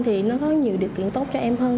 thì nó có nhiều điều kiện tốt cho em hơn